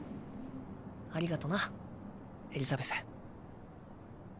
ありがとなエリザベス。